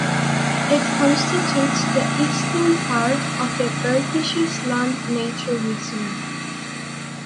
It constitutes the eastern part of the Bergisches Land nature reserve.